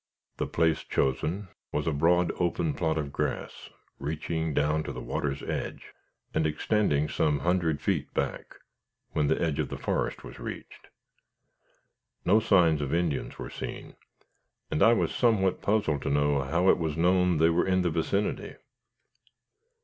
The place chosen was a broad, open plot of grass, reaching down to the water's edge, and extending some hundred feet back, when the edge of the forest was reached. No signs of Indians were seen, and I was somewhat puzzled to know how it was known they were in the vicinity.